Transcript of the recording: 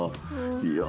いや